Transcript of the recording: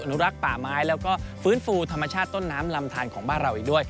นุรักษ์ป่าไม้แล้วก็ฟื้นฟูธรรมชาติต้นน้ำลำทานของบ้านเราอีกด้วย